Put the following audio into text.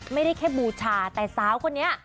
ไม่ได้แค่บูชาแต่สาวคนนี้